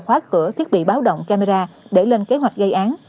khóa cửa thiết bị báo động camera để lên kế hoạch gây án